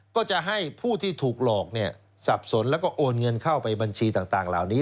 ก็จะให้ผู้ที่ถูกหลอกเนี่ยสับสนแล้วก็โอนเงินเข้าไปบัญชีต่างเหล่านี้